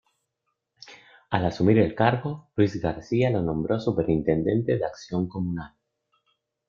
Al asumir el cargo, Luis García lo nombró superintendente de acción comunal.